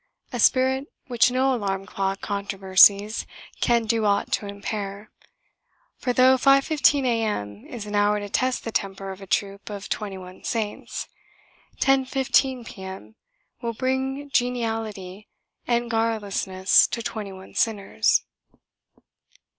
a spirit which no alarm clock controversies can do aught to impair; for though 5.15 a.m. is an hour to test the temper of a troop of twenty one saints, 10.15 p.m. will bring geniality and garrulousness to twenty one sinners.